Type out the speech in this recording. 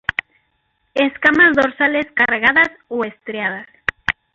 Escamas dorsales cargadas o estriadas.